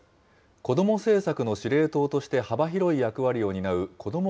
子ども政策の司令塔として幅広い役割を担うこども